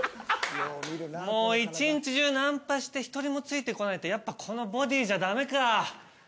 もう一日中ナンパして１人もついてこないってやっぱこのボディじゃダメか。